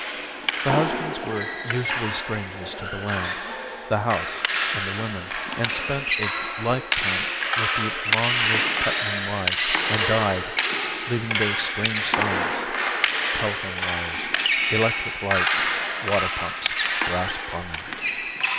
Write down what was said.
The husbands were usually strangers to the land, the house, and the women, and spent a lifetime with the long lived Putnam wives, and died, leaving their strange signs: telephone wires, electric lights, water pumps, brass plumbing.